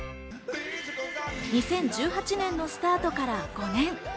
２０１８年のスタートから５年。